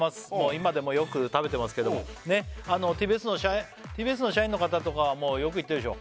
今でもよく食べてますけどもＴＢＳの社員の方とかはもうよく行ってるでしょ？